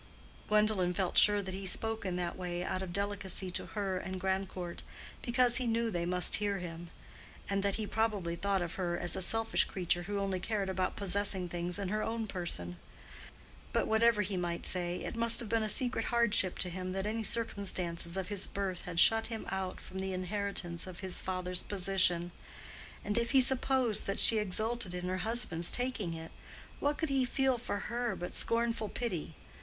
Gwendolen felt sure that he spoke in that way out of delicacy to her and Grandcourt—because he knew they must hear him; and that he probably thought of her as a selfish creature who only cared about possessing things in her own person. But whatever he might say, it must have been a secret hardship to him that any circumstances of his birth had shut him out from the inheritance of his father's position; and if he supposed that she exulted in her husband's taking it, what could he feel for her but scornful pity?